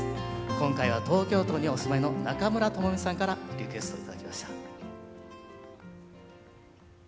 今回は東京都にお住まいの中村友美さんからリクエストを頂きました。